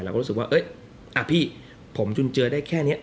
เราก็รู้สึกว่าเอ๊ะอ่ะพี่ผมจุนเจอได้แค่เนี้ย